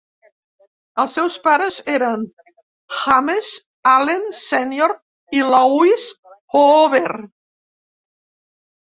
Els seus pares eren James Allen sènior i Louise Hoover.